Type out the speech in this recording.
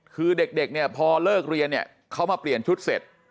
คือเด็กเนี่ยพอเลิกเรียนเนี่ยเขามาเปลี่ยนชุดเสร็จ